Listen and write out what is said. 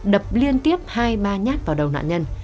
đập liên tiếp hai ma nhát vào đầu nạn nhân